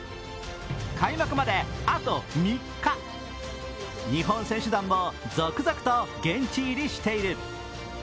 開幕まであと３日、日本選手団も続々と現地入りしている。